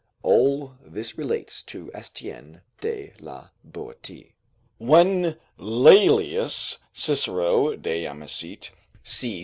[All this relates to Estienne de la Boetie.] When Laelius, [Cicero, De Amicit., c.